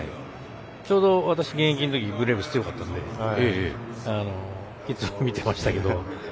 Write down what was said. ちょうど、私現役のときブレーブス強かったのでいつも、見ていましたけど。